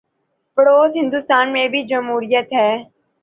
پڑوس ہندوستان میں بھی جمہوریت ہے۔